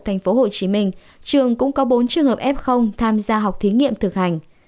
tp hcm trường cũng có bốn trường hợp f tham gia học thí nghiệm thực hành